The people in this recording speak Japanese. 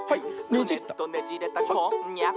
「クネっとねじれたこんにゃく」